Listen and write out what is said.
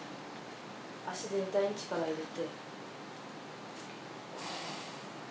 足全体に力入れて。